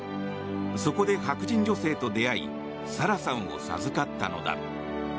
そこで白人女性と出会いサラさんを授かったのだ。